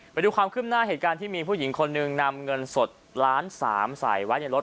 ไปดูความขึ้นหน้าเหตุการณ์ที่มีผู้หญิงคนหนึ่งนำเงินสดล้านสามใส่ไว้ในรถ